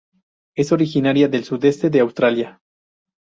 Es originaria del sudeste de Australia.